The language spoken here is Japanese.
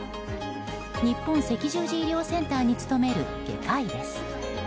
日本赤十字医療センターに勤める外科医です。